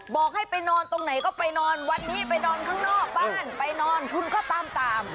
บอกให้ไปนอนตรงไหนก็ไปนอนวันนี้ไปนอนข้างนอกบ้านไปนอนคุณก็ตามตาม